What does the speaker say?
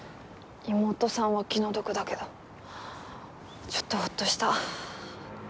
妹さんは気の毒だけどちょっとホッとした。